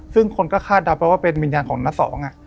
ซึ่งคนก็คาดเดาไปว่าเป็นวิญญาณของน้าสอง